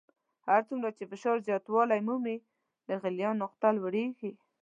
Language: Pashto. هر څومره چې فشار زیاتوالی مومي د غلیان نقطه لوړیږي.